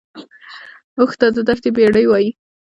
اوښ ته د دښتې بیړۍ وایي